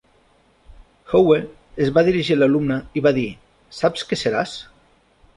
Howe es va dirigir a l'alumne i va dir: Saps què seràs?